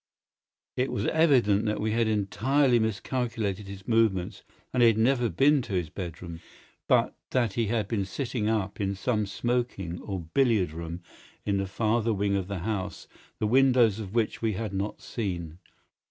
It was evident that we had entirely miscalculated his movements, that he had never been to his bedroom, but that he had been sitting up in some smoking or billiard room in the farther wing of the house, the windows of which we had not seen.